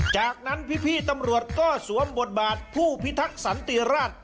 จากนั้นพี่ตำรวจก็สวมบทบาทผู้พิทักษ์สันติราช